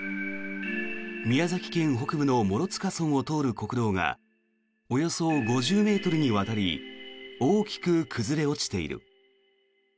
宮崎県北部の諸塚村を通る国道がおよそ５０ｍにわたり大きく崩れ落ちている。